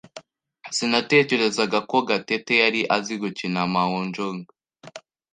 Sinatekerezaga ko Gatete yari azi gukina mahjong.